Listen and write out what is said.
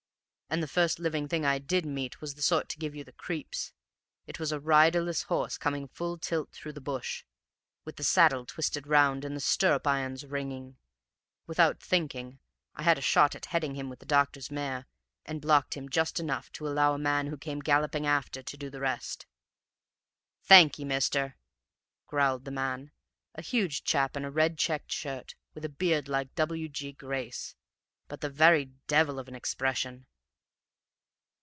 And the first living thing I did meet was the sort to give you the creeps; it was a riderless horse coming full tilt through the bush, with the saddle twisted round and the stirrup irons ringing. Without thinking, I had a shot at heading him with the doctor's mare, and blocked him just enough to allow a man who came galloping after to do the rest. "'Thank ye, mister,' growled the man, a huge chap in a red checked shirt, with a beard like W. G. Grace, but the very devil of an expression.